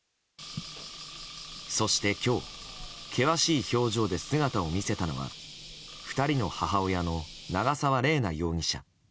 そして、今日険しい表情で姿を見せたのは２人の母親の長沢麗奈容疑者。